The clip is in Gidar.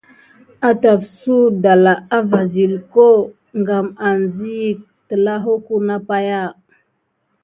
Ətafsu ɗanla à va silko gam asiyik daki naku neku na pay.